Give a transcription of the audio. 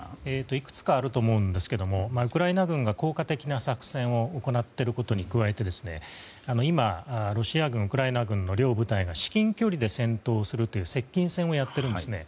いくつかあると思うんですけれどウクライナ軍が効果的な作戦を行っていることに加えて今、ロシア軍、ウクライナ軍の両軍が至近距離で戦闘をするという接近戦をやっているんですね。